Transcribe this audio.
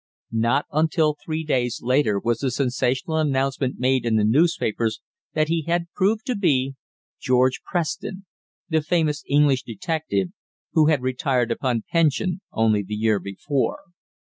Not until three days later was the sensational announcement made in the newspapers that he had proved to be George Preston, the famous English detective, who had retired upon pension only the year before.